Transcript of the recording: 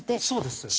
そうです。